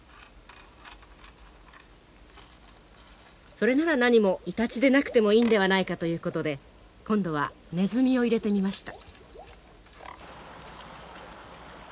それならなにもイタチでなくてもいいんではないかということで今度はネズミを入れてみました。